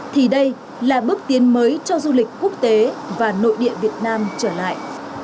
thì đây là bước tiến mới cho du lịch quốc tế và nội địa việt nam trở lại